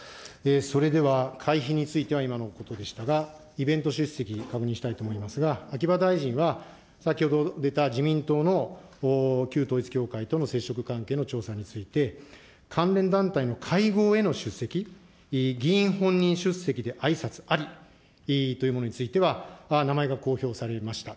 それでは会費については今のことでしたが、イベント出席、確認したいと思いますが、秋葉大臣は先ほど出た、自民党の旧統一教会との接触関係の調査について、関連団体の会合への出席、議員本人出席であいさつありというものについては、名前が公表されました。